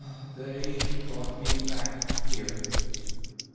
"They brought me back here.